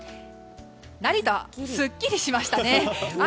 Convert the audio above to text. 成田、すっきりしましたね。